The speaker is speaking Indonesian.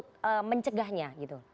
kalau mencegahnya gitu